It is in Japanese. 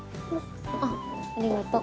あっありがとう。